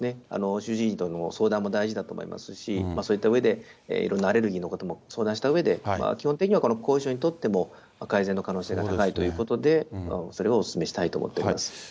主治医との相談も大事だと思いますし、そういったうえで、いろんなアレルギーの方も、相談したうえで、基本的にはこの後遺症にとっても改善の可能性が高いということで、それをお勧めしたいと思っております。